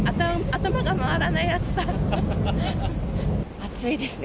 暑いですね。